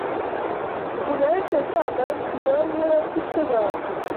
فلان كالكعبة تُزارُ ولا تُسْتَزارُ